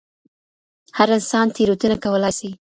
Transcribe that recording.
هر انسان تېروتنه کولای سي.